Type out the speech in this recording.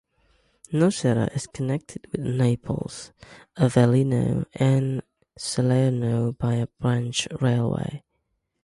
Nocera is connected with Naples, Avellino and Salerno by a branch railway.